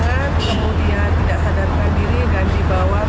kemudian tidak sadarkan diri dan dibawa